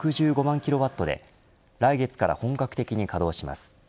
キロワットで来月から本格的に稼働します。